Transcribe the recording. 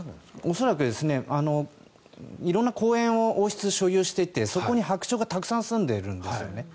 恐らく、色んな公園を王室が所有していてそこにハクチョウがたくさんすんでいるんですね。